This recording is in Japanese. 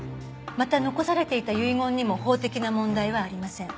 また残されていた遺言にも法的な問題はありません。